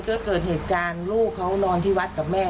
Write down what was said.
ก็เกิดเหตุการณ์ลูกเขานอนที่วัดกับแม่